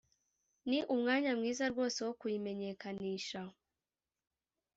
ni umwanya mwiza rwose wo kuyimenyekanisha